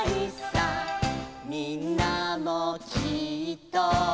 「みんなもきっと」